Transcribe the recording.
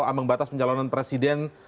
amang batas pencalonan presiden